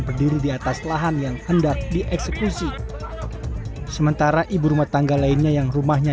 berdiri di atas lahan yang hendak dieksekusi sementara ibu rumah tangga lainnya yang rumahnya